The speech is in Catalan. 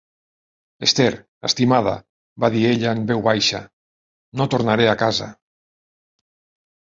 "Esther, estimada", va dir ella en veu baixa, "No tornaré a casa".